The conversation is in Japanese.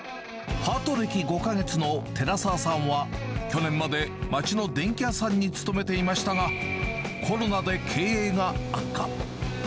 パート歴５か月の寺澤さんは、去年まで町の電気屋さんに勤めていましたが、コロナで経営が悪化。